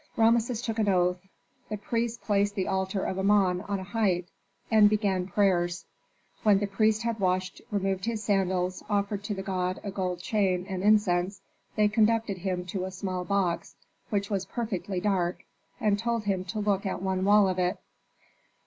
Rameses took an oath. The priests placed the altar of Amon on a height, and began prayers. When the prince had washed, removed his sandals, offered to the god a gold chain and incense, they conducted him to a small box which was perfectly dark and told him to look at one wall of it.